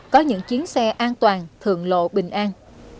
có những chiến xe an toàn thượng lộ bình an